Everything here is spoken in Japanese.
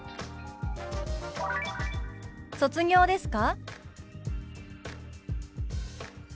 「卒業ですか？」。